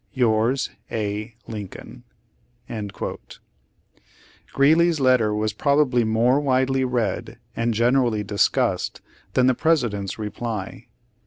"Yours, A. Lincoln," Greeley's letter was probably more widely read and generally discussed than the President's reply.